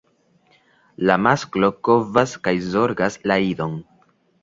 La masklo kovas kaj zorgas la idon.